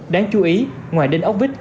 đáng chú ý ngoài đinh ốc vít